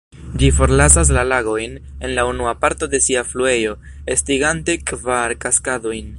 Ĝi forlasas la lagojn, en la unua parto de sia fluejo, estigante kvar kaskadojn.